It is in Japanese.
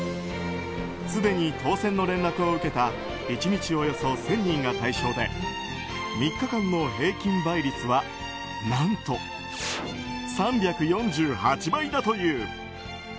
すでに当選の連絡を受けた１日およそ１０００人が対象で３日間の平均倍率は何と、３４８倍だという。